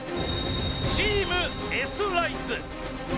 チームＳライズ。